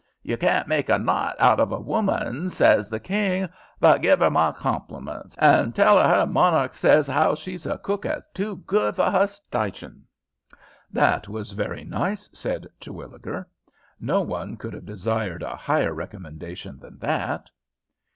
'You carn't make a knight out of a woman,' says the king, 'but give 'er my compliments, and tell 'er 'er monarch says as 'ow she's a cook as is too good for 'er staition.'" "That was very nice," said Terwilliger. "No one could have desired a higher recommendation than that."